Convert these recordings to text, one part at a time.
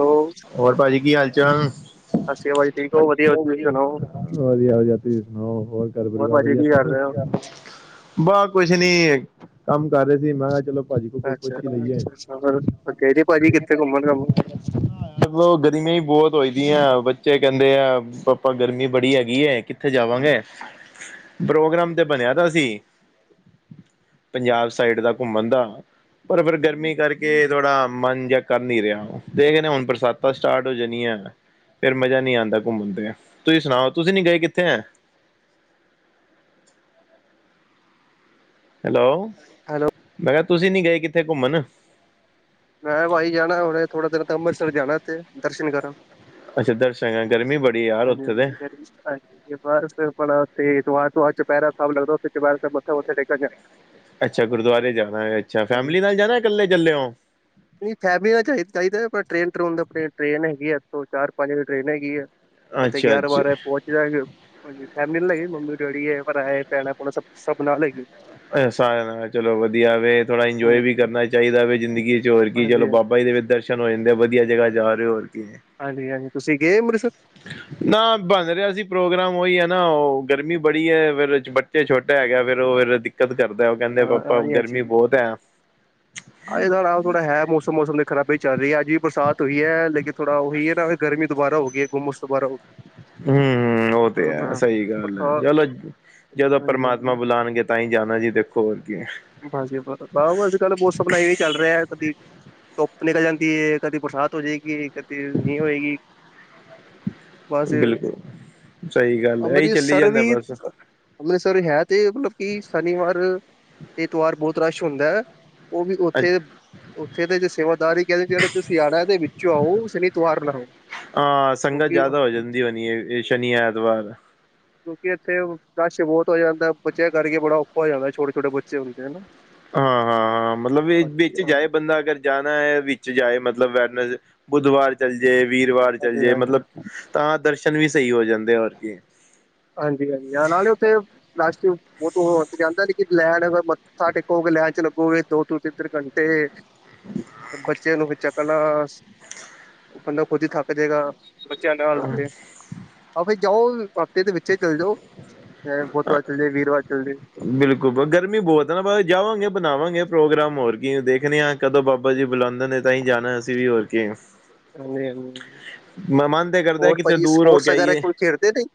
Hello ਹੋਰ ਭਾਜੀ ਕੀ ਹਾਲ-ਚਾਲ? ਸਾਸਰੀ ਕਾਲ ਭਾਜੀ ਠੀਕ ਓਂ, ਵਦੀਆ-ਵਦੀਆ ਤੁਸੀਂ ਸਨਾਓ। ਵਦੀਆ-ਵਦੀਆ ਤੁਸੀ ਸਨਾਓ ਹੋਰ ਘਰ ਪਰਿਵਾਰ ਭਾਜੀ ਵਦੀਆ ਕੀ ਕਰ ਰਹੇ ਹੋ ਸਬ। ਬਸ ਕੁਛ ਨੀ, ਕੰਮ ਕਰ ਰਏ ਸੀ ਮੈਂ ਕਿਆ ਚਲੋਂ ਭਾਜੀ ਕੋਲ ਕੋਈ ਪੁੱਛ ਅੱਛਾ ਈ ਲਈਏ। ਅੱਛਾ ਅੱਛਾ ਹੋਰ ਫੇਰ ਗਏ ਦੇ ਭਾਜੀ ਕਿੱਥੇ ਘੁੰਮਨ ਘਾਮਨ। ਮਤਲਬ ਗਰਮੀ ਬੋਤ ਹੋਈਦੀ ਐ ਬੱਚੇ ਕੈਂਦੇ ਆ ਪਾਪਾ ਗਰਮੀ ਬੜੀ ਹੈਗੀ ਐ ਕਿ ਓਥੇ ਜਾਵਾਂਗੇ, ਪ੍ਰੋਗਰਾਮ ਤੇ ਬਨੇਆ ਪਿਆ ਸੀ। ਪੰਜਾਬ ਸਾਈਡ ਦਾ ਘੁੰਮਨ ਦਾ। ਪਰ ਫਿਰ ਗਰਮੀ ਕਰਕੇ ਥੋੜਾ ਮਨ ਜਾ ਕਰ ਨੀ ਰਿਆ ਦੇਖਦੇ ਆ ਹੁਨ ਬਰ ਬਰਸਾਤਾਂ ਸਟਾਟ ਹੋ ਜਾਨੀ ਐ, ਫੇਰ ਮਜ਼ਾ ਨੀ ਆਂਦਾ ਘੁੰਮਨ ਤੇ, ਤੁਸੀਂ ਸਨਾਓ ਤੁਸੀਂ ਨੀ ਗਏ ਕਿੱਥੇ ਐ ਹੈਲੋ, ਹੈਲੋ, ਮੈਂ ਕਿਆ ਤੁਸੀਂ ਨੀ ਗਏ ਕਿੱਥੇ ਘੁੰਮਨ। ਮੈਂ ਭਾਜੀ ਜਾਨੈ ਹੁਨੇ ਥੋੜਾ ਦਿਨ ਤਕ ਅੰਮ੍ਰਿਤਸਰ ਜਾਨੈ ਓਥੇ ਦਰਸ਼ਨ ਕਰਨ। ਅੱਛਾ ਦਰਸ਼ਨ ਕਰਨ, ਗਰਮੀ ਬੜੀ ਐ ਯਾਰ ਓਥੇ ਤੇ। ਫਰੀ ਸਟੈਲ ਏ। ਤੇ ਬਾਰ ਤੈਨੂੰ ਪਤਾ ਤੇ ਦੁਪੈਰ ਤੋਂ ਬਾਦ ਚੁਪੈਰਾ ਸਾਬ ਲਗਦੈ ਓਥੇ ਚੁਪੈਰਾ ਅੱਛਾ ਗੁਰਦਵਾਰੇ ਜਾਨਾ ਏ ਅੱਛਾ ਫੈਮਲੀ ਨਾਲ ਜਾਨਾ ਜਾਂ ਕੱਲੇ ਚੱਲੇਓਂ। ਨਈ ਫੈਮਲੀ ਨਾਲ ਚਾਈ ਚਾਈਦਾ ਆਪ ਟ੍ਰੇਨ ਟਰੂਨ ਦਾ ਅਪਡੇਟ ਟ੍ਰੇਨ ਹੈਗੀ ਏ ਏਥੋਂ ਚਾਰ ਪੰਜ ਵਜੇ ਟ੍ਰੇਨ ਹੈਗੀ ਐ। ਓਥੇ ਅੱਛਾ ਗਿਆਰਾਂ ਬਾਰਾਂ ਵਜੇ ਅੱਛਾ ਪਹੁੰਚ ਜ ਫੈਮਿਲੀ ਨੀ ਲੱਗੀ ਮੰਮੀ ਡੈਡੀ ਐ ਭਰਾ ਐ ਭੈਣਾਂ ਭੈਣ ਸਬ-ਸਬ ਨਾਲ ਹੈਗੀ। ਸਾਰਿਆਂ ਨਾਲ ਚਲੋ ਵਧੀਆ ਵੇ ਥੋੜ੍ਹਾ ਇੰਜੋਏ ਵੀ ਹਾਂਜੀ ਕਰਨਾ ਚਾਈਦਾ ਵੇ ਜ਼ਿੰਦਗੀ ਵਿਚ ਹੋਰ ਕੀ ਚਲੋ ਹਾਂਜੀ ਬਾਬਾ ਜੀ ਦੇ ਵੀ ਦਰ ਚਲੋ ਐਨੇ ਵਦੀਆ ਜਗ੍ਹਾ ਜਾ ਰਏਂ ਓਂ ਹੋਰ ਕੀ ਐ। ਹਾਂਜੀ-ਹਾਂਜੀ ਤੁਸੀਂ ਗਏ ਅੰਮ੍ਰਿਤਸਰ। ਹਨ ਨਾ ਬਨ ਰਿਆ ਸੀ ਪ੍ਰੋਗਰਾਮ ਓਈ ਐ ਨਾ ਓ ਗਰਮੀ ਬੜੀ ਐ ਫਿਰ ਬੱਚੇ ਛੋਟੇ ਹੈਗਾ ਫੇਰ ਓ ਫੇਰ ਦਿ ਦਿੱਕਤ ਕਰਦਾ ਓ ਕੈਂਦੇ ਹਾਂ, ਪਾਪਾ ਹਾਂਜੀ-ਹਾਂਜੀ। ਗਰਮੀ ਬੋਤ ਐ। ਥੋੜਾ-ਥੋੜਾ ਹੈ ਮੌਸਮ-ਮੌਸਮ ਦੇ ਖਰਾਬੀ ਚੱਲ ਰਈ ਐ ਅੱਜ ਵੀ ਬਰਸਾਤ ਹੋਈ ਐ ਲੇਕਿਨ ਥੋੜਾ ਓਹੀ ਨਾ ਫੇਰ ਗਰਮੀ ਦੁਬਾਰਾ ਹੋ ਗਈ ਐ ਹੁੰਮਸ ਦੁਬਾਰਾ ਹੋ ਹੂੰ ਓ ਤੇ ਹਾਂ, ਹੈ ਸਈ ਗੱਲ ਐ ਹਾਂ। ਚੱਲ ਜਦੋਂ ਪਰਮਾਤਮਾ ਹਾਂਜੀ-ਹਾਂਜੀ, ਬੁਲਾਨਗੇ ਤਾਂ ਹੀ ਜਾਣਾ ਜੀ ਦੇਖੋ ਹੋਰ ਕੀ। ਹਾਂਜੀ ਬ ਅਜ ਕੱਲ੍ਹ ਬੋਸ ਬਣਾਈ ਚੱਲ ਰਿਹਾ ਕਦੀ ਧੁੱਪ ਨਿਕਲ ਜਾਂਦੀ ਹੈ, ਕਦੀ ਬਰਸਾਤ ਹੋ ਜਾਏਗੀ। ਕਤੀ ਨਹੀਂ ਹੋਏਗੀ। ਬਸ, ਬਿਲਕੁਲ ਸਹੀ ਗੱਲ ਹੈ ਇਹੀ ਚੱਲੀ ਅੰਮ੍ਰਿਤਸਰ ਜਾਂਦਾ ਵੀ। ਬਸ ਅੰਮ੍ਰਿਤਸਰ ਹੈ ਤੇ ਮਤਲਬ ਕਿ ਸ਼ਨੀਵਾਰ ਏਤਵਾਰ ਬਹੁਤ ਰਸ਼ ਹੁੰਦਾ ਹੈ। ਉਹ ਵੀ ਅ- ਉੱਥੇ। ਉੱਥੇ ਦੇ ਜੇ ਸੇਵਾਦਾਰੀ ਕਹਿੰਦੇ ਜਿਹੜੇ ਤੁਸੀਂ ਆਉਣਾ ਤੇ ਵਿੱਚੋਂ ਆਓ ਸ਼ਨੀ ਏਤਵਾਰ ਨਾ ਆਓ। ਹਾਂ ਸੰਗਤ ਕਿਉਂਕਿ ਜ਼ਿਆਦਾ ਹੋ ਜਾਂਦੀ ਹੋਣੀ ਹੈ ਸ਼ਨੀ ਐਤਵਾਰ। ਕਿਉਂਕਿ ਇੱਥੇ ਰਸ਼ ਬਹੁਤ ਹੋ ਜਾਂਦਾ, ਬੱਚਿਆਂ ਕਰਕੇ ਬੜਾ ਔਖਾ ਹੋ ਜਾਂਦਾ, ਛੋਟੇ ਛੋਟੇ ਬੱਚੇ। ਬੱਚੇ ਹੁੰਦੇ ਹਨਾ। ਹਾਂ ਹਾਂ ਹਾਂ ਮਤਲਬ ਇਹ ਹਾਂਜੀ ਵਿੱਚ ਜਾਏ ਹਾਂਜੀ ਬੰਦਾ ਅਗਰ। ਜਾਣਾ ਹੈ ਵਿੱਚ ਜਾਏ ਮਤਲਬ ਵੈਰਨ ਬੁੱਧਵਾਰ ਚੱਲ ਜੇ ਵੀਰਵਾਰ ਚੱਲ ਹਾਂਜੀ ਜੇ ਮਤਲਬ। ਤਾਂ ਦਰਸ਼ਨ ਵੀ ਸਹੀ ਹੋ ਜਾਂਦੇ ਆ ਹੋਰ ਕੀ ਹਾਂਜੀ ਹਾਂਜੀ ਹਾਂ ਨਾਲੇ ਉੱਥੇ ਨਾਸ਼ਤੂ। ਉਹ ਤਾਂ ਹੋ ਤੇ ਜਾਂਦਾ ਲੇਕਿਨ ਲੈਣ ਅਰ ਮੱਥਾ ਟੇਕੋਗੇ ਲੈਣ ਚ ਲੱਗੋਗੇ ਦੋ ਤੋ ਤਿੰਨ ਤਿੰਨ ਘੰਟੇ। ਬੱਚਿਆਂ ਨੂੰ ਚੱਕਣਾ ਬੰਦਾ ਖੁਦ ਹੀ ਥੱਕ ਜਾਵੇਗਾ। ਬੱਚਿਆਂ ਨਾਲ ਤੇ, ਆ ਫਿਰ ਜਾਓ ਹਫਤੇ ਦੇ ਵਿੱਚ। ਛੇ ਚੱਲ ਜਾ ਹੋ ਬੁਧਵਾਰ ਚੱਲ ਜਾ ਵੀਰਵਾਰ ਚੱਲ ਜਾ। ਬਿਲਕੁਲ ਗਰਮੀ ਬਹੁਤ ਹੈ ਨਾ ਬਾਹਰ ਜਾਵਾਂਗੇ ਬਣਾਵਾਂਗੇ ਪ੍ਰੋਗਰਾਮ ਹੋਰ ਕੀ ਦੇਖਣੇ ਆ। ਕਦੋਂ ਬਾਬਾ ਜੀ ਹਾਂਜੀ ਬੁਲਾਉਂਦੇ ਨੇ ਤਾਂ ਹੀ ਜਾਣਾ ਅਸੀਂ ਵੀ ਹੋਰ ਕੇ। ਹਾਂਜੀ ਮੈਂ ਮਨ ਤੇ ਕਰਦਾ ਹੋਰ ਕਿਤੇ ਭਾਜੀ ਦੂਰ ਹੋ ਸਪੋਰਟਸ ਕੇ ਵਗੈਰਾ ਆਇਏ। ਕੋਈ ਖੇਡਦੇ ਨਹੀਂ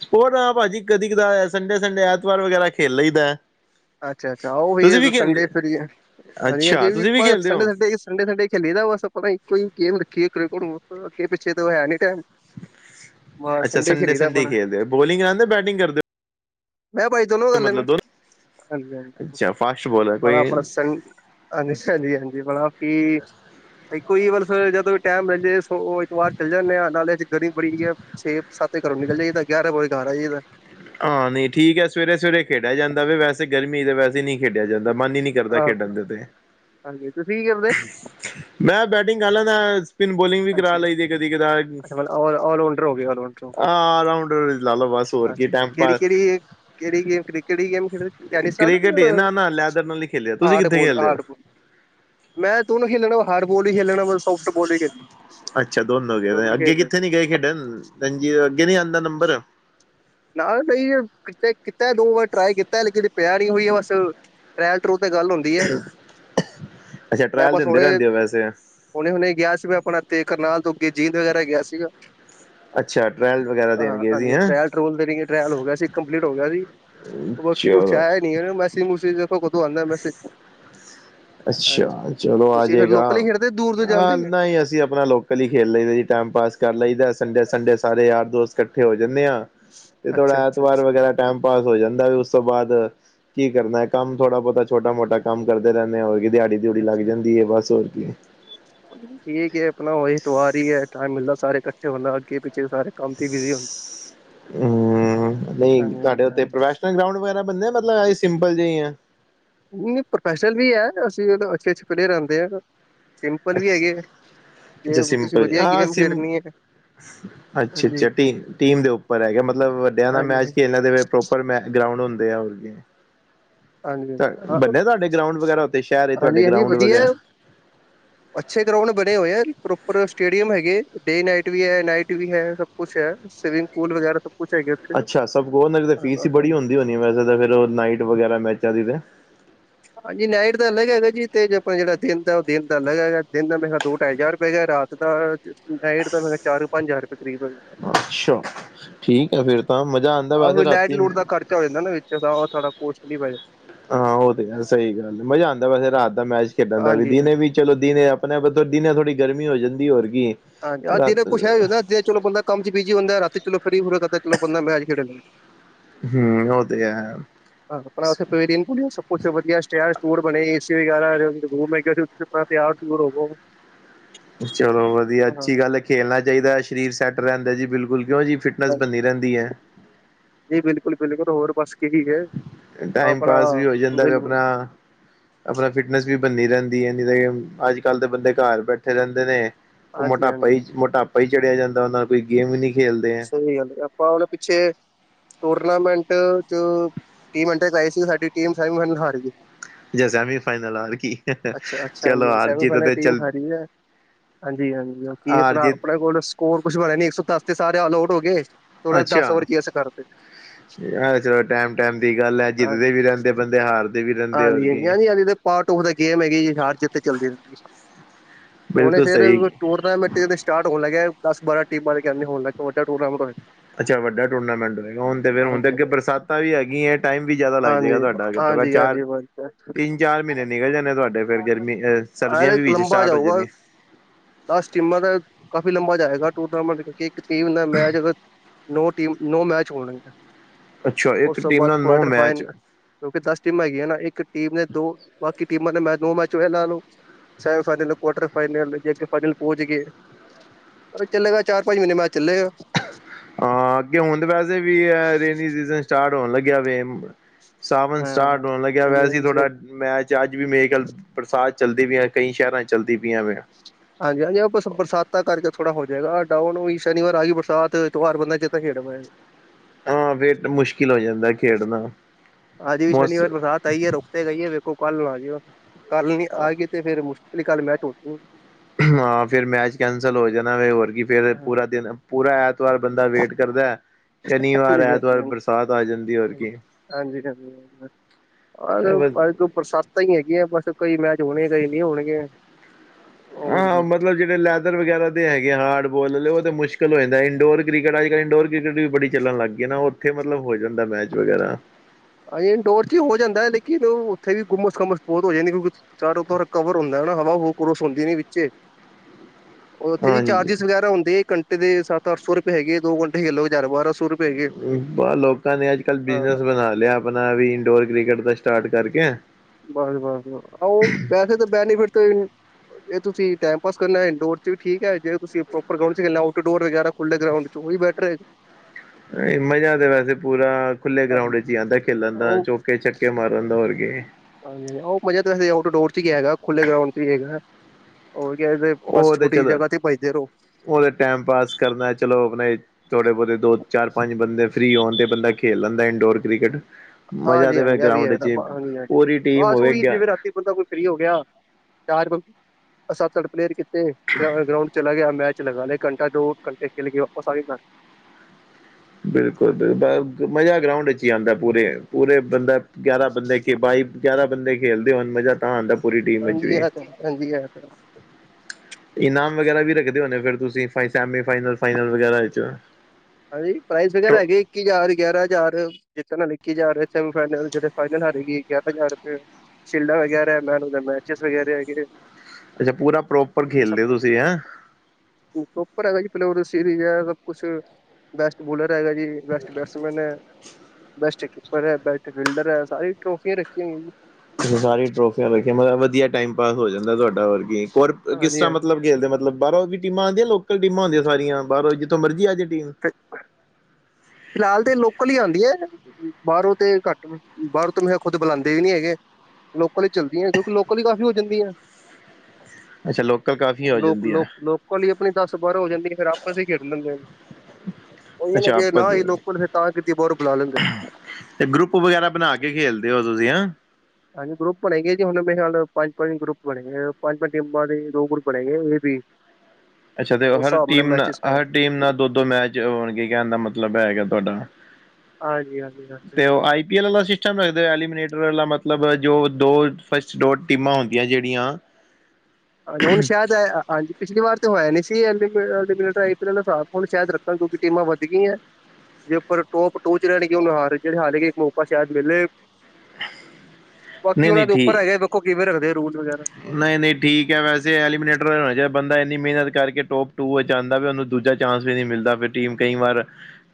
ਸਪੋਰਟ ਭਾਜੀ ਕਦੀ ਕਦਾ ਸੰਡੇ ਸੰਡੇ ਐਤਵਾਰ ਵਗੈਰਾ ਖੇਲ ਲਈ ਦਾ। ਅੱਛਾ ਅੱਛਾ ਆ ਸੰਡੇ ਫਰੀ ਹ ਅੱਛਾ ਜੇ ਵੀ ਤੁਸੀਂ ਖੇਲਦੇ ਸੰਡੇ ਹੋ ਸੰਡੇ। ਸੰਡੇ ਸੰਡੇ ਖੇਲੇ ਦਾ ਵਸ ਆਪ ਇੱਕੋ ਹੀ ਗੇਮ ਰੱਖੀਏ ਕਿ੍ਕਟ ਅੱਗੇ ਪਿੱਛੇ ਹੋਇਆ ਨੀ ਟਾਈਮ। ਮ ਅੱਛਾ ਸੰਡੇ ਖੇਲੀ ਦਾ ਸੰਡੇ ਆਪਣਾ ਖੇਲਦੇ ਹੋ ਬੋਲਿੰਗ ਕਰਾਦੇ ਜਾਂ ਬੈਟਿੰਗ ਕਰਦੇ ਹੋ। ਮੈਂ ਕਿਹਾ ਭਾਈ ਦੋਨੋ ਕਰ ਲੈਣਾ, ਮਤਲਬ ਦੋਨੋਂ ਹਾਂਜੀ ਹਾਂਜੀ ਅੱਛਾ ਫਾਸਟ ਬੋਲਰ ਕੋਈ ਆਪਣਾ ਪ੍ਰਸਨ। ਹਾਂਜੀ ਹਾਂਜੀ ਹਾਂਜੀ ਮਤਲਬ ਕੀ ਇੱਕੋ ਹੀ ਬਸ ਜਦੋਂ ਵੀ ਟਾਈਮ ਮਿਲ ਜਾਏ ਸੋ ਉਹ ਇੱਕ ਵਾਰ ਚੱਲ ਜਾਂਦੇ ਆ ਨਾਲੇ ਅੱਜ ਗਰਮੀ ਬੜੀ ਹੈ। ਛੇ-ਸੱਤ ਵਜੇ ਘਰੋਂ ਨਿਕਲ ਜਾਈਦਾ ਗਿਆਰ੍ਹਾਂ ਵਜੇ ਘਰ ਆ ਜਾਈਦਾ। ਹਾਂ ਨਹੀਂ ਠੀਕ ਹੈ ਸਵੇਰੇ ਸਵੇਰੇ ਖੇਡਿਆ ਜਾਂਦਾ ਵੀ ਵੈਸੇ ਗਰਮੀ ਤੇ ਵੈਸੇ ਨੀ। ਖੇਡਿਆ ਜਾਂਦਾ ਮਨ ਹੀ ਨਹੀਂ ਕਰਦਾ ਖੇਡਣ ਦੇ ਤੇ। ਹਾਂਜੀ ਤੁਸੀਂ ਕੀ ਕਰਦੇ ਮੈਂ ਬੈਟਿੰਗ ਕਰ ਲੈਣਾ। ਸਪਿਨ ਬੋਲਿੰਗ ਵੀ ਕਰਾ ਅੱਛਾ ਅੱਛਾ ਲਈਦੇ ਕਦੀ ਕਦਾਰ, ਮਤਲਬ ਆਲਰਾਊਂਡਰ ਹੋ ਗਏ ਆਲਰਾਊਂਡਰ ਹੋ ਗਏ ਆਲ ਰਾਊਂਡਰ ਲਾ ਲੋਓ ਬਸ ਹੋਰ। ਕੀ ਟਾਈਮ ਕਿਹੜੀ ਪਾਸ ਕਿਹੜੀ ਕਿਹੜੀ ਗੇਮ ਕ੍ਰਿਕਟ ਗੇਮ ਖੇਡ ਦੇ ਟੈਨਿਸ ਨਾਲ। ਕ੍ਰਿਕਟ ਨਾ ਨਾ ਲੈਦਰ ਨਾਲ ਹੀ ਖੇਲਿਆ ਤੁਸੀਂ ਹਾੜ ਕਿੱਥੇ ਬੋਲ ਖੇਲਦੇ ਹੋ ਹਾੜਬੋਲ ਮੈਂ ਤੂੰ ਨਾ ਖੇਲਣਾ ਵ ਹਾਰਡ ਬੋਲ ਹੀ ਖੇਲਣਾ ਵ ਸੋਫਟ ਬੋਲ ਹੀ ਖੇਲਣਾ ਅੱਛਾ ਦੋਨੋ ਗਏ ਅੱਗੇ ਕਿੱਥੇ ਨੀ ਗਏ ਖੇਡਣ ਅੱਗੇ ਨੀ ਆਉਂਦਾ ਨੰਬਰ। ਨਾਲ ਚੈ ਕੀਤਾ ਦੋ ਵਾਰ ਟਰਾਈ ਕੀਤਾ ਲੇਕਿਨ ਪਿਆ ਨੀ ਹੋਈ ਹੈ ਬਸ ਟਰੈਲ ਟੂਲ ਤੇ ਗੱਲ ਹੁੰਦੀ ਹੈ ਅੱਛਾ ਮੈਂ ਟਰੈਲ ਬਸ ਦਿੰਦੇ ਹੁਣੇ ਰਹਿੰਦੇ ਆ ਵੈਸੇ ਹੁਣੇ ਹੁਣੇ ਗਿਆ ਸੀ ਮੈਂ ਆਪਣਾ ਤੇ ਕਰਨਾਲ ਤੋਂ ਅਗੇ ਜੀਂਦ ਵਗੈਰਾ ਗਿਆ ਸੀਗਾ ਅੱਛਾ ਟ੍ਰੈਲ ਵਗੈਰਾ ਦੇਣ ਗਏ ਸੀ ਹੈਂ। ਟ੍ਰਇਲ ਹੋ ਗਿਆ ਸੀ ਕੰਪਲੀਟ ਹੋ ਗਿਆ ਸੀ ਉਹ ਬਾਕੀ ਕੁੱਛ ਚਲੋ ਆਇਆ ਨੀ ਮੈਸਜ ਮੂਸਜ। ਦੇਖੋ ਕਦੋ ਆਦਾ ਮੈਸਜ ਅੱਛਾ ਚਲੋ ਆ ਤੁਸੀਂ ਫਿਰ ਜਾਏਗਾ ਲੋਕਲ ਹੀ ਖੇਡਦੇ ਦੂਰ ਤੋਂ ਜਾਂਦੇ ਅ ਨਹੀ ਅਸੀਂ ਆਪਣਾ ਲੋਕ ਕਲੀ ਖੇਡ ਲਈਦਾ ਜੀ ਟਾਈਮ ਪਾਸ ਕਰ ਲਈਦਾ ਸੰਡੇ ਅੱਛਾ ਸੰਡੇ ਸਾਰੇ ਯਾਰ ਦੋਸਤ ਇਕੱਠੇ ਹੋ ਜਾਂਦੇ ਆ। ਤੇ ਥੋੜਾ ਅੱਛਾ ਐਤਵਾਰ ਅੱਛਾ ਵਗੈਰਾ ਟਾਈਮ ਪਾਸ ਹੋ ਜਾਂਦਾ ਵੀ ਉਸ ਤੋਂ ਬਾਅਦ ਕੀ ਕਰਨਾ ਕੰਮ ਥੋੜਾ ਬਹੁਤਾ ਛੋਟਾ ਮੋਟਾ ਕੰਮ ਕਰਦੇ ਰਹਿੰਦੇ ਆ ਉਹੀ ਦਿਹਾੜੀ ਦਿਹੂੜੀ ਲੱਗ ਅੱਛਾ ਜਾਂਦੀ ਹੈ ਬਸ ਹੋਰ ਕੀ ਠੀਕ ਏ ਆਪਣਾ ਉਹੀ ਤਿਉਹਾਰ ਆ ਰਹੀ ਹੈ ਟਾਈਮ ਮਿਲਦਾ ਸਾਰੇ ਇਕੱਠੇ ਹੁੰਦਾ ਅੱਗੇ ਪਿੱਛੇ ਸਾਰੇ ਕੰਮ ਤੇ ਬਿਜ਼ੀ ਹੁੰਦੇ। ਹਮ ਨਹੀਂ ਤੁਹਾਡੇ ਉੱਥੇ ਪ੍ਰੋਫੈਸ਼ਨਲ ਗਉਂਡ ਵਗੈਰਾ ਵੀ ਬੰਦੇ ਮਤਲਬ ਇਹ ਸਿੰਪਲ ਜਿਹੇ ਆ। ਨਹੀਂ ਪ੍ਰੋਫੈਸ਼ਨਲ ਵੀ ਹੈ ਅਸੀਂ ਅੱਛੇ ਅੱਛੇ ਪਲੇਅਰ ਆਉਂਦੇ ਆ ਸਿੰਪਲ ਵੀ ਹੈਗੇ ਨੇ। ਜੇ ਅੱਛਾ ਹੁਣ ਤੁਸੀਂ ਸਿੰਪਲ ਵਧੀਆ ਹਾਂ ਗੇਮ ਸਿੰਪ ਖੇਡਣੀ ਹੈ ਅੱਛਾ ਹਾਂਜੀ ਅੱਛਾ ਟੀ ਟੀਮ ਦੇ ਉੱਪਰ ਹੈਗੇ ਮਤਲਬ ਵੱਡਿਆਂ ਦਾ ਹਾਂਜੀ ਮੈਚ ਹਾਂਜੀ ਖੇਲਣਾ ਤੇ ਫਿਰ ਪ੍ਰੋਪਰ ਮੈਚ ਗਰਾਊਂਡ ਹੁੰਦੇ ਆ ਹੋਰ ਕੀ ਹਾਂਜੀ ਹਾਂਜੀ ਤੇ ਹਾਂ ਵੱਡੇ ਤੁਹਾਡੇ ਗਰਾਊਂਡ ਵਗੈਰਾ ਉੱਥੇ ਸ਼ਹਿਰ ਤੁਹਾਡੇ ਹਾਂਜੀ ਹਾਂਜੀ ਗਰਾਊਂਡ ਵਧੀਆ ਵਗੈਰਾ ਅੱਛੇ ਗਰਾਉਂਡ ਬਣੇ ਹੋਏ ਹੈ ਪ੍ਰੋਪਰ ਸਟੇਡੀਅਮ ਹੈਗੇ ਡੇ ਨਾਈਟ ਵੀ ਹੈ ਨਾਈਟ ਵੀ ਹੈ ਸਭ ਕੁਛ ਹੈ ਸਵਿਮਿੰਗ ਪੂਲ ਵਗੈਰਾ ਸਭ ਕੁਛ ਹੈਗਾ ਅੱਛਾ ਸਭ ਕੁ ਨਾ ਫੀਸ ਹੀ ਬੜੀ ਹੁੰਦੀ ਹੋਣੀ ਵੈਸੇ ਤਾਂ ਫਿਰ ਨਾਈਟ ਵਗੈਰਾ ਮੈਚਾਂ ਦੀ ਤੇ। ਹਾਂਜੀ ਨਾਈਟ ਦਾ ਅਲੱਗ ਹੈਗਾ ਜੀ ਤੇ ਆਪਾਂ ਜਿਹੜਾ ਦਿਨ ਦਾ ਉਹ ਦਿਨ ਦਾ ਅਲੱਗ ਹੈਗਾ ਦਿਨ ਦਾ ਮੈਂ ਕਿਹਾ ਦੋ ਢਾਈ ਹਜ਼ਾਰ ਰੁਪਏ ਹੈਗਾ ਰਾਤ ਤਾਂ ਨਾਈਟ ਦਾ ਮ ਹੈਗਾ ਚਾਰ ਪੰਜ ਹਜ਼ਾਰ ਰੁਪਏ ਕਰੀਬ ਹੈਗਾ ਅੱਛਾ ਠੀਕ ਹੈ ਫੇਰ ਤਾਂ ਮਜ਼ਾ ਆਉਂਦਾ ਆ ਵੈਸੇ ਵੀ ਲਾਈਟ ਰਾਤੀ ਲੂਟ ਦਾ ਖਰਚਾ ਹੋ ਜਾਂਦਾ ਨਾ ਵਿੱਚ ਤਾਂ ਉਹ ਥੋੜਾ ਕੋਸਟਲੀ ਪੈ ਜਾਂਦਾ ਹਾਂ ਉਹ ਤੇ ਹੈ ਸਹੀ ਗੱਲ ਮਜ਼ਾ ਆਉਂਦਾ ਵੈਸੇ ਰਾਤ ਦਾ ਮੈਚ ਖੇਡਣ ਦਾ ਵੀ ਹਾਂਜੀ ਦਿਨੇ ਹਾਂਜੀ ਵੀ ਚਲੋ ਦਿਨ ਆਪਣੇ ਦਿਨ ਥੋੜ੍ਹੀ ਗਰਮੀ ਹੋ ਜਾਂਦੀ ਹੋਰ ਕੀ ਏ ਹਾਂਜੀ ਹਾਂ ਜਿੱਦਾਂ ਕੁਛ ਹੈ ਹੋ ਹੁੰਦਾ ਚੋ ਬੰਦਾ ਕੰਮ ਚ ਬਿਜੀ ਹੁੰਦਾ ਰਾਤੀ ਚਲੌ ਫਰੀ ਹੋਰ ਰਾਤੀ ਚਲੋ ਬੰਦਾ ਮੈਚ ਖੇਡ ਲੈਂਦਾ ਹਮ ਉਹ ਤੇ ਹੈ ਹਾਂ ਆਪਣਾ ਉੱਥੇ ਪਰੀਅਨ ਸਬ ਕੁਛ ਵਧੀਆ [unintelligible] ਚਲੋ ਵਧੀਆ ਹਾਂ ਅੱਛੀ ਗੱਲ ਹੈ ਖੇਲਣਾ ਚਾਹੀਦਾ ਸਰੀਰ ਸੈੱਟ ਰਹਿੰਦਾ ਜੀ ਬਿਲਕੁਲ ਕਿਉਂ ਜੀ ਫਿਟ ਹਾਂ, ਨਜ਼ਰ ਬੰਨੀ ਰਹਿੰਦੀ ਹੈ ਜੀ ਬਿਲਕੁਲ ਬਿਲਕੁਲ ਹੋਰ ਬਸ ਇਹੀ ਹੈ ਟਾਈਮ ਆਪਣਾ ਪਾਸ ਵੀ ਹੋ ਜਾਂਦਾ ਵੇ ਬਿਲਕੁਲ ਆਪਣਾ ਆਪਣਾ ਫਿਟਨੈਸ ਵੀ ਬੰਨੀ ਰਹਿੰਦੀ ਹੈ ਨਹੀ ਤੇ ਅੱਜ ਕੱਲ੍ਹ ਤਾਂ ਬੰਦੇ ਘਰ ਬੈਠੇ ਰਹਿੰਦੇ ਨੇ ਉਹ ਹਾਂਜੀ ਮੋਟਾਪਾ ਹਾਂਜੀ ਹੀ ਮੋਟਾਪਾ ਹੀ ਚੜ੍ਹਿਆ ਜਾਂਦਾ ਉਹਨਾਂ ਤੇ ਕੋਈ ਗੇਮ ਨਹੀਂ ਖੇਲਦੇ ਹੈ ਸਹੀ ਗੱਲ ਆਪਾਂ ਉਹਨਾ ਪਿੱਛੇ ਟੂਰਨਾਮੈਂਟ ਚ ਟੀਮੰਡ ਆਈ ਸੀ ਸਾਡੀ ਟੀਮ ਸਾਰੀ ਹਾਰ ਗਈ ਸੀ ਜਾਂ ਸੈਮੀ ਫਾਈਨਲ ਹਾਰ ਗਈ ਅੱਛਾ ਅੱਛਾ ਹਾਂਜੀ ਚਲੋ ਹਾਂਜੀ ਹਾਰ ਜਿੱਤ ਸੈਮੀਫਾਈਨਲ ਤਾ ਟੀਮ ਚਲਦੀ ਹਾਰੀ ਹੈ ਹਾਂਜੀ ਹਾਂਜੀ ਕੀ ਆਪ ਹਾਰ ਜਿੱਤ ਆਪਣੇ ਕੋਲ ਸਕੋਰ ਕੁਛ ਬਣਿਆ ਨੀ ਇੱਕ ਸੌ ਦਸ ਤੇ ਸਾਰੇ ਆਲ ਆਊਟ ਹੋ ਗਏ। ਥੋੜਾ ਦਸ ਵਾਰ ਅੱਛਾ ਕੀ ਅਸੀ ਕਰਦੇ ਚਲੋ ਟੈਮ ਟੈਮ ਦੀ ਗੱਲ ਹੈ ਜਿੱਤਦੇ ਹਾਂਜੀ ਵੀ ਰਹਿੰਦੇ ਬੰਦੇ ਹਾਰਦੇ ਵੀ ਰਹਿੰਦੇ ਹੋਰ ਹਾਂਜੀ ਕੀ ਹਾਂਜੀ ਹਾਂਜੀ ਹਾਂਜੀ ਤੇ ਪਾਰਟ ਆਫ ਦਾ ਗੇਮ ਹੈਗੀ ਜੀ ਹਾਰ ਜਿੱਤ ਚੱਲਦੀ ਰਹਿੰਦੀ ਉਹਨੇ ਬਿਲਕੁਲ ਫੇਰ ਸਹੀ ਟੂਰਨਾਮੈਂਟ ਲੱਗਿਆ ਦਸ ਬਾਰਾਂ ਟੀਮਾ ਦੇ ਕਹਿ ਵੱਲੋਂ ਟੂਰਨਾਮੈਂਟ ਹੋ ਅੱਛਾ ਵੱਡਾ ਟੂਰਨਾਮੈਂਟ ਹੋਏਗਾ ਹੁਣ ਤੇ ਫਿਰ ਹੁਣ ਤਾਂ ਹਾਂਜੀ ਅੱਗੇ ਬਰਸਾਤਾਂ ਵੀ ਹੈਗੀਆਂ ਟਾਈਮ ਵੀ ਜ਼ਿਆਦਾ ਲੱਗ ਹਾਂਜੀ ਜਾਏਗਾ ਹਾਂਜੀ ਤੁਹਾਡਾ ਡਾ ਕੱਟੋਗਾ ਹਾਂਜੀ ਚਾਰ ਹਾਂਜੀ ਬਸ ਤਿੰਨ ਚਾਰ ਮਹੀਨੇ ਨਿਕਲ ਜਾਂਣੇ ਤੁਹਾਡੇ ਫੇਿਰ ਗਰਮੀ ਅਹ ਸਰਦੀਆਂ ਵੀ ਵਿਚ ਸਟਾਟ ਹੋ ਜਾਂਦੀਆਂ ਲਾਸਟ ਟੀਮਰ ਦਾ ਕਾਫੀ ਲੰਬਾ ਜਾਏਗਾ ਟੂਰਨਾਮੈਂਟ ਕਰ ਟੀਮ ਦਾ ਮੈਚ ਅਗਰ ਨੋ ਟੀਮ ਨੋ ਮੈਚ ਹੋਣ ਲ ਅੱਛਾ ਇੱਕ ਉਸ ਤੋਂ ਟੀਮ ਬਾਅਦ ਨਾਲ ਨੌ ਕੁਆਟਰ ਮੈਚ ਫਾਈਨਲ ਕਿਉਂਕਿ ਦਸ ਟੀਮਾਂ ਹੈਗੀਆਂ ਨਾ ਇੱਕ ਟੀਮ ਨੇ ਦੋ ਬਾਕੀ ਕਿਓਂਕਿ ਟੀਮਾਂ ਦੇ ਮੈਚ ਦੋ ਮੈਚ ਲਾ ਲੋ। ਸੈਮੀ ਫਾਈਨਲ, ਕੁਆਟਰ ਫਾਈਨਲ ਜੇ ਫਾਈਨਲ ਪਹੁੰਚ ਗਏ, ਚੱਲੇਗਾ ਚਾਰ-ਪੰਜ ਮਹੀਨੇ ਮੈਚ। ਚੱਲੇ ਓਂ ਹਾਂ ਅੱਗੇ ਹੁਨ ਤੇ ਵੈਸੇ ਵੀ ਰੇਨੀ ਸੀਜਨ ਸਟਾਟ ਹੋਨ ਲੱਗੇਆ ਵੇ। ਸਾਵਨ ਹਾਂ ਸਟਾਰਟ ਹੋਣ ਲੱਗਿਆ ਹਾਂਜੀ ਵੈਸੇ ਹੀ ਹਾਂਜੀ ਹਾਂਜੀ ਤੁਹਾਡਾ ਮੈਚ ਚਾ ਅੱਜ ਵੀ ਮੇਰੀ ਗੱਲ ਬਰਸਾਤ ਚੱਲਦੀ ਪਈ ਆ ਕਈ ਸ਼ੈਰਾਂ ਚ ਚੱਲਦੀ ਪਈਆਂ ਵੈਂ। ਹਾਂਜੀ-ਹਾਂਜੀ ਓ ਬਸ ਬਰਸਾਤਾਂ ਕਰਕੇ ਥੋੜਾ ਹੋ ਜਾਏਗਾ ਡਾਊਨ ਹੋਈ ਸ਼ਨੀਵਾਰ ਆਗੀ ਬਰਸਾਤ ਇਕ ਵਾਰ ਬੰਦਾ ਢਕੇ ਢਵਾਏ ਹਾਂ ਫੇਰ ਤੇ ਮੁਸ਼ਕਿਲ ਹੋ ਜਾਂਦਾ ਖੇਡਨਾ। ਆਜ ਵੀ ਸ਼ਨੀਵਾਰ ਬਰਸਾਤ ਆਈਏ ਰੁਕ ਤੇ ਗਈਏ ਵੇਖੋ ਕੱਲ ਨਾ ਆਜੇ ਕੱਲ ਨੀ ਆਗੀ ਤੇ ਫੇਰ ਮੁਸ਼ ਨੀ ਕੱਲ ਮੈਂ ਟੋਟੁ ਹਾਂ, ਫਿਰ ਮੈਚ ਕੈਂਸਲ ਹੋ ਜਾਣਾ ਹੋਰ ਕੀ ਫਿਰ ਪੂਰਾ ਦਿਨ ਪੂਰਾ ਐਤਵਾਰ ਬੰਦਾ ਵੇਟ ਕਰਦਾ। ਸ਼ਨੀਵਾਰ, ਹਾਂਜੀ ਹਾਂਜੀ ਐਤਵਾਰ ਹਾਂਜੀ। ਬਰਸਾਤ ਆ ਜਾਂਦੀ ਹੋਰ ਹਾਂਜੀ ਕੀ। ਅ ਆਜੋ ਬ ਵਾਏਗੁਰੂ ਪ੍ਰਸ਼ਾ ਤਈਂ ਹੈਗੀਐ ਬਸ ਕਈ ਮੈਚ ਹੋਨੇ ਕਈ ਨਈਂ ਹੋਨਗੇ। ਹਾਂ ਮਤਲਬ ਜੇ ਜੇੜੇ ਲੈਦਰ ਵਗੈਰਾ ਦੇ ਹੈਗੇ ਹਾਰਡਬੋਲ ਓ ਤੇ ਮੁਸ਼ਕਿਲ ਹੋ ਜਾਂਦਾ ਇਨਡੋਰ ਕ੍ਰਿਕਟ ਅੱਜ-ਕੱਲ ਇਨਡੋਰ ਕ੍ਰਿਕਟ ਵੀ ਬੜੀ ਚੱਲਨ ਲਾਗੀ। ਕਿਨਾ, ਉੱਥੇ ਮਤਲਬ ਹੋ ਜਾਂਦਾ ਮੈਚ ਵਗੈਰਾ। ਅ ਇੰਡੋਰ ਚੀ ਹੋ ਜਾਂਦਾ ਲੇਕਿਨ ਓ ਓਥੇ ਵੀ ਘੁੰਮਸ ਘਾਮਸ ਬੋਤ ਹੋ ਜਾਂਦੀ ਕਿਓਂਕਿ ਚਾਰੋਂ ਤਰਫ ਕਵਰ ਹੁੰਦਾ ਹਵਾ ਹੂਵਾ ਕਰੌਸ ਹੁੰਦੀ ਨੀ ਵਿੱਚੇ। ਓਥੇ ਵੀ ਹਾਂਜੀ। ਚਾਰਜਿਸ ਵਗੈਰਾ ਹੁੰਦੇ ਆ ਘੰ ਦੇ ਸੱਤ ਅੱਠ ਸੌ ਰੁਪਏ ਹੈਗੇ ਦੋ ਘੰਟੇ ਖੇਲੋ ਜ਼ਾਰ ਬਾਰਾਂ ਸੌ ਰੁ ਲੋਕਾਂ ਨੇ ਅੱਜ-ਕੱਲ੍ਹ ਹਾਂ ਬਿਜਨਸ ਬਣਾ ਲਿਆ ਆਪਣਾ ਵੀ, ਇੰਡੋਰ ਕ੍ਰਿਕਟ ਦਾ ਸਟਾਰਟ ਕਰਕੇ। ਬਸ-ਬੱਸ ਆ ਓ ਪੈਸੇ ਤਾਂ ਬੈਨੀਫਿਟ ਜੇ ਤੁਸੀਂ ਟਾਈਮ ਪਾਸ ਕਰਨਾ ਇੰਡੋਰ ਚ ਵੀ ਠੀਕ ਹੈ ਜੇ ਤੁਸੀਂ ਪਰੋਪਰ ਗਰਾਊਂਡ ਚ ਖੇਡਣਾ ਆਊਟਡੋਰ ਵਗੈਰਾ ਖੁੱਲੇ ਗਰਾਊਂਡ ਵਿਚ ਓਹੀ ਬੈਟਰ ਹੈਗਾ। ਮਜਾ ਤੇ ਵੈਸੇ ਪੂਰਾ ਖੁੱਲੇ ਆਹ ਗਰਾਉਂਡ ਵਿਚ ਈ ਆਂਦਾ ਖੇਲਨ ਦਾ ਚੌਕੇ ਚੱ ਕੇ ਮਾਰਨਵਰਗੇ ਹਾਂਜੀ-ਹਾਂਜੀ, ਉਹ ਮਜ਼ਾ ਤਾਂ ਵੇ ਆਊਟੋ ਡੋਰ ਚ ਹੀ ਹੈਗਾ ਖੁੱਲੇ ਗਰਾਊਂਡ ਚ ਹੀ ਹੈਗਾ। ਹੋਰ ਕੀ ਐ ਬਸ ਛੋਟੀ ਜੀ ਜਗਾ ਤੇ ਭਜਦੇ ਰਓ। ਉਰੇ ਟੈਮ ਪਾਸ ਕਰਨਾ ਚਲੋ ਆਪਨੇ ਥੋੜੇ ਬੋਤੇ ਦੋ-ਚਾਰ ਪੰਜ ਬੰਦੇ ਫਰੀ ਹੋਨ ਤੇ ਬੰਦਾ ਖੇਲ ਲੈਂਦਾ ਇੰਨਡੋਰ ਕ੍ਰਿਕਟ। ਮਜ਼ਾ ਹਾਂਜੀ ਤੇ ਫੇਰ ਹਾਂਜੀ ਇਹ ਵੀ ਹੈ ਗਰਾਊਂਡ ਨਾ, ਚੀ, ਬ- ਹਾਂਜੀ ਹਾਂਜੀ ਪੂਰੀ ਟੀਮ ਬਸ ਹੋਵੇ ਉਹੀ ਗੇ ਜਿਵੇਂ ਰਾਤੀ ਬੰਦਾ ਕੋਈ ਫਰੀ ਹੋ ਗੇਆ, ਚਾਰ ਬੰ ਸੱਤ ਸੱਠ ਪਲੇਅਰ ਕੀਤੇ ਗਰਾਊਂਡ ਚਲਾ ਗਿਆ, ਮੈਚ ਲਗਾ ਲੇ ਘੰਟਾ ਦੋ ਘੰਟੇ ਖੇਲ ਕੇ ਵਾਪਸ ਆਗੇ ਘਰ। ਬਿਲਕੁਲ-ਬਿਲੁਲ, ਮਜ਼ਾ ਗ੍ਰਾਊਂਡ ਚ ਹੀ ਆਉਦਾ ਪੂਰੇ-ਪੂਰੇ ਬੰਦੇ ਗਿਆਰਾਂ ਬੰਦੇ ਕੇ ਵਾਈਵ ਗਿਆਰਾਂ ਬੰਦੇ ਖੇਲਦੇ ਹੋ ਮਜ਼ਾ ਤਾਂ ਆਂਦਾ ਪੁੂਰੀ ਟੀਮ ਵਿੱਚ ਹਾਂਜੀ ਵੀ ਐ ਤਾ, ਹਾਂਜੀ ਐ ਤਾ। ਇਨਾਮ ਵਗੈਰਾ ਵੀ ਰੱਖਦੇ ਹੋਨੇ ਫੇਰ ਤੁਸੀਂ ਸੈਮੀ ਫਾਈਨਲ ਫਾਈਨਲ ਵਗੈਰਾ ਵਿੱਚ। ਹਾਂਜੀ ਪ੍ਰਾਈਜ਼ ਵਗੈਰਾ ਹੈਗੇ ਇੱਕੀ ਜ਼ਾਰ, ਗਿਆਰਾਂ ਜ਼ਾਰ ਜਿੱਤਨ ਆਲੇ ਇਕੀ ਜ਼ਾਰ ਰਏ ਸੈਮੀ ਫਾਈਨਲ ਜੇੜੇ ਫਾਈਨਲ ਹਾਰੇਗੀ ਗਿਆਰਾਂ ਜ਼ਾਰ ਰੁਪਏ। ਸ਼ਿਲਡਾ ਵਗੈਰਾ ਏਂਦਾ ਨੂ ਯਾ ਮੈਚਿਸ ਵਗੈਰੇ ਹੈਗੀ ਏ। ਅੱਛਾ ਪੂਰਾ ਪ੍ਰੋਪਰ ਖੇਲਦੇ ਓ ਤੂਸੀ, ਐਂ? ਪ੍ਰੋਪਰ ਹੈਗਾ ਜੀ ਪ੍ਰੋਰਜ ਸੀਰੀਅਜ ਐ ਕੁੱਛ। ਬੈਸਟ ਬੋਲਰ ਹੈਗਾ ਜੀ, ਬੈਸਟ ਬੈਟਸਮੈਨ ਐ, ਬੈਸਟ ਪਰ ਐ ਬੈਸਟ ਫੀਲਡਰ ਐ ਸਾਰੀ ਟਰੋਫੀਆਂ ਰੱਖੀਆਂ ਹੋਇਆ ਜੀ। ਤੁਸੀ ਸਾਰੀਆ ਟਰੋਫੀਆਂ ਰੱਖੀਆਂ ਮਤਲਬ ਵਧੀਆ ਟਾਈਮ ਪਾਸ ਹੋ ਜਾਂਦਾ ਤੁਆਡਾ ਹੋਰ ਇੱਕ ਹੋਰ ਕਿਸ ਤਰ੍ਹਾਂ ਹਾਂਜੀ-ਹਾਂਜੀ, ਮਤਲਬ ਖੇਲਦੇ ਮਤਲਬ? ਬਾਰੋ ਵੀ ਟੀਮਾਂ ਆਂਦੀਆਂ ਲੋਕਲ ਟੀਮਾਂ ਹੁੰਦੀਆਂ ਸਾਰੀਆਂ ਬਾਰੋ ਜਿੱਥੋਂ ਮਰਜੀ ਆਜੇ ਟੀਮ? ਫਿਲਹਾਲ ਤੇ ਲੋਕਲ ਈ ਆਂਦੀਐ। ਬਾਰੋ ਤੇ ਘੱਟ ਬਾਹਰੋ ਤੇ ਮੈਂ ਖੁਦ ਬਲਾਂਦੇ ਨੀ ਹੈਗੇ। ਲੋਕਲ ਈ ਚਲਦੀਐ ਕਿਉਂਕਿ ਲੋਕਲ ਈ ਕਾਫ਼ੀ ਹੋ ਜਾਂਦੀਐ। [inaudible] ਕਾਫੀ ਹੋ ਜਾਂਦੀਆਂ ਲੋਕ-ਲੋਕ ਲੋਕਲ ਈ ਆਪਣੀ ਦਸ ਬਾਰਾਂ ਹੋ ਜਾਂਦੀਐ ਫੇਰ ਆਪਸ ਚ ਈ ਖੇਡ ਲੈਂਦੇ। ਓਇਓ ਨਾ ਅੱਛਾ ਜੇ ਨਾ ਆਪਸ ਹੋਏ ਲੋਕਲ ਫੇਰ ਤਾਂ ਕੀਤੀ ਬਾਰੋਂ ਬਲਾ ਲੈਂਦੇ। ਤੇ ਗਰੁੱਪ ਵਗੈਰਾ ਬਣਾ ਕੇ ਖੇਲਦੇ ਓ ਤੁਸੀ ਹ? ਹਾਂਜੀ ਗਰੁੱਪ ਬਣੇਗੇ ਜੀ ਹੁਣ ਮੇਰੇ ਖਿਆਲ ਪੰਜ-ਪੰਜ ਗਰੁੱਪ ਬਣੇਗੇ ਪੰਜ-ਪੰਜ ਟੀਮਾਂ ਦੇ ਦੋ ਗਰੁੱਪ ਬਣੇ ਗੇ ਮੇ ਬੀ। ਅੱਛਾ ਤੇ ਓ ਉਸ ਹਰ ਹਿਸਾਬ ਨਾਲ ਟੀਮ ਮੈਚਿਸ ਨਾਲ-ਹਰ ਕਰਾਂਗੇ, ਟੀਮ ਨਾਲ ਦੋ-ਦੋ ਮੈਚ ਹੋਣਗੇ ਕਹਿਣ ਦਾ ਮਤਲਬ ਐ ਹੈਗੇ ਤੁਆਡਾ ਹਾਂਜੀ-ਹਾਂਜੀ, ਹਾਂਜੀ। ਹਾਂਜੀ ਤੇ ਉਹ ਆਈ ਪੀ ਐਲ ਅਲਾ ਸਿਸਟਮ ਰਖਦੇ ਐਲੀਮੀਨੇਟਰ ਅਲਾ ਮਤਲਬ ਜੋ ਦੋ ਫਸ ਟੋ ਟੀਮਾਂ ਹੁੰਦੀਆ ਜੇੜੀਆਂ? [inaudible] ਅੱਜ ਓ ਨੀ ਸ਼ੈਦ ਆਇਆ ਅੱਜ ਪਿਛਲੀ ਵਾਰ ਤਾਂ ਓਹ ਆਇਆ ਨੀ ਸੀ [unintelligible] ਦੋ ਕ ਟੀਮਾਂ ਵੱਧ ਗਈਐ। ਜੇ ਉੱਪਰ ਟੋਪ ਟੂ ਚ ਰੇਣਗੇ ਉਹ ਨਾ ਹਾਰ ਜੇੜੇ ਹਾਰਗੇ ਏਕ ਮੌਕਾ ਸ਼ੈਦ ਮਿਲੇ। ਬਾਕੀ ਨਹੀਂ ਨਹੀਂ ਉਨਾਂ ਦੇ ਉੱਪਰ ਹੈਗੇ ਵੇਖੋ ਕਿਵੇਂ ਰੱਖਦੇ ਰੂਲਸ ਵਗੈਰਾ। ਨਈ ਨੀ ਠੀਕ ਐ ਵੈਸੇ ਐਲੀਮੀਨੇਟਰ ਹੋਣਾ ਚਾਈਦਾ ਬੰਦਾ ਏਨੀ ਮੇਨਤ ਕਰਕੇ ਟੋਪ ਟੂ ਵੇਚ ਚ ਆਂਦਾ ਪਿਆ ਦੂਜਾ ਚਾਂਸ ਵੀ ਨੀ ਮਿਲਦਾ ਫੇਰ ਟੀਮ ਕਈ ਵਾਰ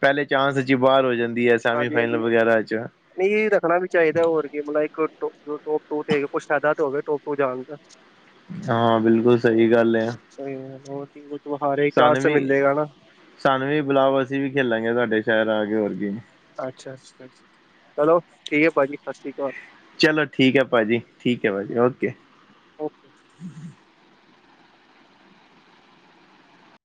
ਪਹਿਲੇ ਚਾਂਸ ਇੱਚ ਈ ਬਾਰ ਹੋ ਜਾਂਦੀ ਐ। ਤਾ ਵੀ ਫਾਈਨਲ ਵਗੈਰਾ ਚ ਨਈ ਜੀ ਰੱਖਣਾ ਵੀ ਚਾਹੀਦੈ ਹੋਰ ਕੀ ਬੰਦਾ ਏਕ ਟੋ ਟੋਪ ਟੂ ਤੇ ਕੁੱਛ ਫੈਦਾ ਤੇ ਹੋਵੇ ਟੋਪ ਟੂ ਚ ਜਾਣ ਦਾ। ਹਾਂ ਬਿਲਕੁਲ ਸਹੀ ਗੱਲ ਹੈ ਸਈ ਗੱਲ ਐ ਕੁੱਛ ਵੋ ਹਾਰੇ ਚਾਂਸ ਸਾਨੂੰ ਤੇ ਵੀ ਮਿਲੇਗਾ ਨਾ। ਸਾਨੂੰ ਵੀ ਬਲਾਓ ਅਸੀਂ ਵੀ ਖੇਲਾਂਗੇ ਤੁਆਡੇ ਸ਼ਹਿਰ ਆ ਕੇ ਹੋਰ ਕੀ। ਅੱਛ-ਅੱਛ-ਅੱਛ ਚਲੋ ਠੀਕ ਐ ਪਾਜੀ ਸਸ ਸ਼੍ਰੀਕਾਲ। ਚਲੋ ਠੀਕ ਐ ਪਾਜੀ ਠੀਕ ਐ ਪਾਜੀ ਓਕੇ। ਓਕੇ